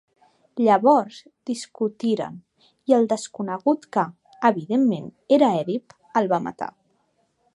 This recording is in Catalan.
Llavors, discutiren i el desconegut, que, evidentment, era Èdip, el va matar.